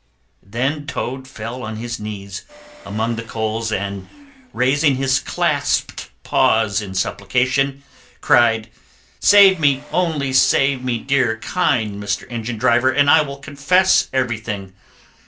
'" Then Toad fell on his knees among the coals and, raising his clasped paws in supplication, cried, "Save me, only save me, dear kind Mr. Engine driver, and I will confess everything!